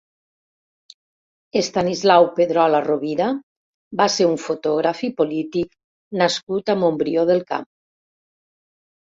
Estanislau Pedrola Rovira va ser un fotògraf i polític nascut a Montbrió del Camp.